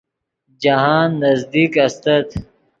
جاہند نزدیک استت